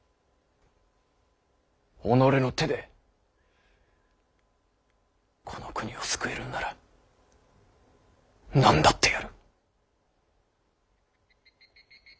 己の手でこの国を救えるんなら何だってやる。